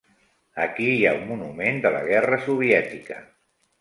Aquí hi ha un monument de la guerra soviètica.